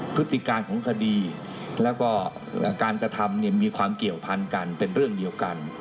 พฤติการของคดีแล้วก็การกระทำมีความเกี่ยวพันกันเป็นเรื่องเดียวกัน